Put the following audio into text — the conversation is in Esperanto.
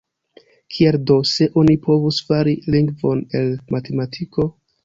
Kiel do, se oni povus fari lingvon el matematiko?